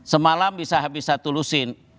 semalam bisa habis satu lusin